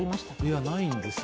いや、ないんですよ。